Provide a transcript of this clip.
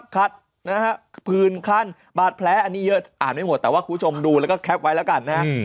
นะฮะพื้นคันบาดแผลอันนี้เยอะอ่านไม่หมดแต่ว่าคุณผู้ชมดูแล้วก็แคปไว้แล้วกันนะฮะ